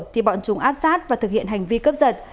thì bọn chúng áp sát và thực hiện hành vi cướp giật